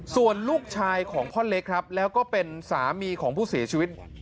ส่วนลูกชายของพ่อเล็กครับแล้วก็เป็นสามีของผู้เสียชีวิต